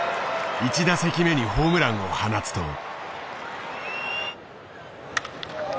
１打席目にホームランを放つと。